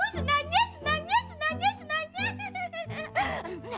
senangnya senangnya senangnya senangnya